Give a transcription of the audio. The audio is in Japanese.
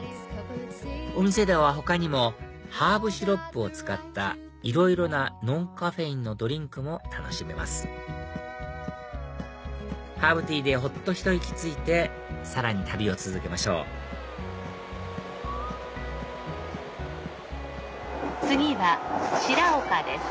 お店では他にもハーブシロップを使ったいろいろなノンカフェインのドリンクも楽しめますハーブティーでほっとひと息ついてさらに旅を続けましょう次は白岡です。